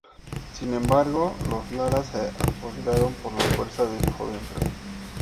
Sin embargo, los Lara se apoderaron por la fuerza del joven rey.